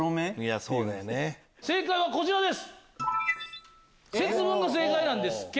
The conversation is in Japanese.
正解はこちらです。